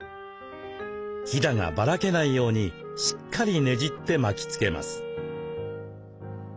ひだがばらけないようにしっかりねじって巻きつけます。